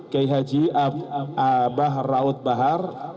k h abah raud bahar